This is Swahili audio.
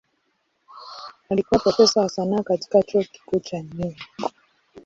Alikuwa profesa wa sanaa katika Chuo Kikuu cha New York.